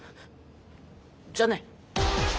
じゃあね。